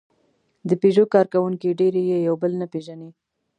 د پيژو کارکوونکي ډېری یې یو بل نه پېژني.